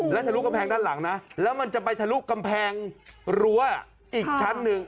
แล้วทะลุกำแพงด้านหลังนะแล้วมันจะไปทะลุกำแพงรั้วอีกชั้นหนึ่ง